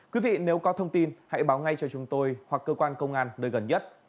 quý vị nếu có thông tin hãy báo ngay cho chúng tôi hoặc cơ quan công an nơi gần nhất